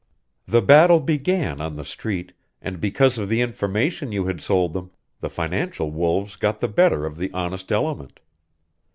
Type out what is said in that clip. "The battle began on the Street, and because of the information you had sold them, the financial wolves got the better of the honest element.